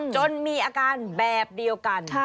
จนมีอาการแบบเดียวกัน